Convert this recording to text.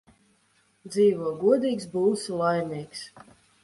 Dzīvo godīgs – būsi laimīgs